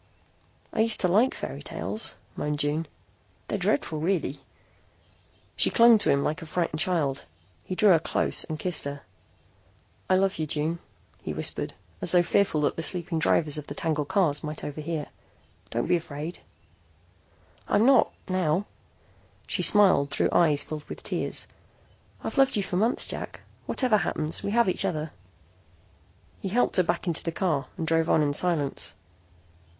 "I used to like fairy tales," moaned June. "They're dreadful, really." She clung to him like a frightened child. He drew her close and kissed her. "I love you, June," he whispered, as though fearful that the sleeping drivers of the tangled cars might overhear. "Don't be afraid." "I'm not now," she smiled through eyes filled with tears. "I've loved you for months, Jack. Whatever happens, we have each other." He helped her back into the car and drove on in silence.